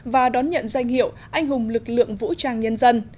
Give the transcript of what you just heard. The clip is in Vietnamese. và đón nhận danh hiệu anh hùng lực lượng vũ trang nhân dân